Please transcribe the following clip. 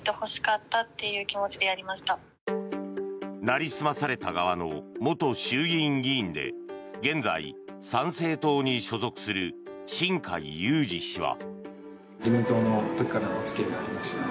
なりすまされた側の元衆議院議員で現在、参政党に所属する新開裕司氏は。